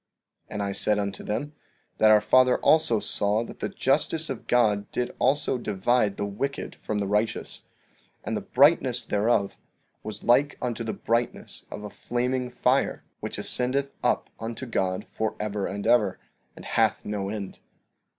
15:30 And I said unto them that our father also saw that the justice of God did also divide the wicked from the righteous; and the brightness thereof was like unto the brightness of a flaming fire, which ascendeth up unto God forever and ever, and hath no end.